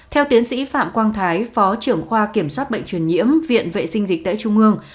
theo tiến sĩ phạm quang thái phó trưởng khoa kiểm soát bệnh truyền nhiễm viện vệ sinh dịch tễ trung ương